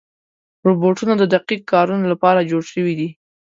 روبوټونه د دقیق کارونو لپاره جوړ شوي دي.